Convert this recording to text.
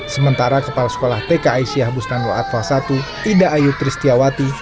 sementara kepala sekolah tk aisyah bustanul atva i ida ayu tristiawati